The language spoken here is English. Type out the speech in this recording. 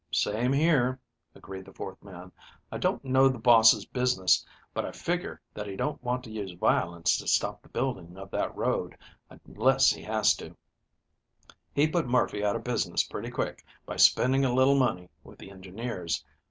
"Same here," agreed the fourth man. "I don't know the boss' business, but I figure that he don't want to use violence to stop the building of that road unless he has to. He put Murphy out of business pretty quick by spending a little money with the engineers.